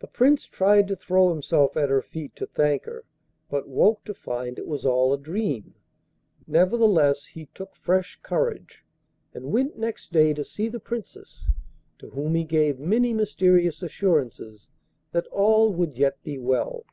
The Prince tried to throw himself at her feet to thank her, but woke to find it was all a dream; nevertheless he took fresh courage, and went next day to see the Princess, to whom he gave many mysterious assurances that all would yet be well.